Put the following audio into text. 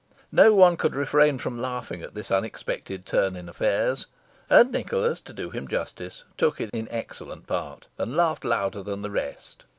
No one could refrain from laughing at this unexpected turn in affairs, and Nicholas, to do him justice, took it in excellent part, and laughed louder than the rest.